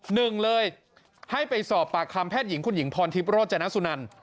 หนึ่งเลยให้ไปสอบปากคำแพทย์หญิงคุณหญิงพรทิพย์โรจนสุนัน